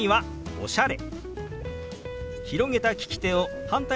「おしゃれ」。